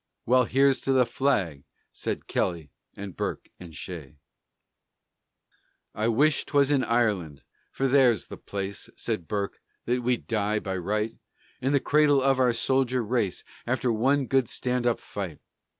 "Well, here's to the flag!" Said Kelly and Burke and Shea. "I wish 'twas in Ireland, for there's the place," Said Burke, "that we'd die by right, In the cradle of our soldier race, After one good stand up fight.